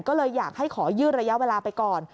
ก็เลยอยากให้ขอยืดระยะเวลาไปก่อน